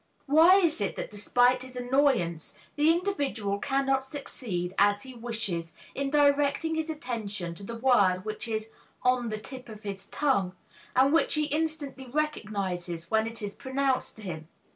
Why is it that despite his annoyance the individual cannot succeed, as he wishes, in directing his attention to the word which is "on the tip of his tongue," and which he instantly recognizes when it is pronounced to him?